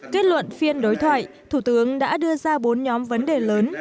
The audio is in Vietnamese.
kết luận phiên đối thoại thủ tướng đã đưa ra bốn nhóm vấn đề lớn